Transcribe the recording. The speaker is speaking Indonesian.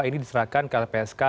ini diserahkan ke lpsk